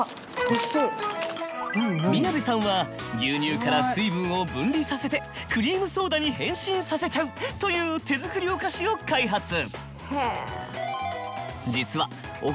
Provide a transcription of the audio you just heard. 宮部さんは牛乳から水分を分離させてクリームソーダに変身させちゃうという手作りお菓子を開発。